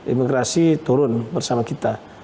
imigrasi turun bersama kita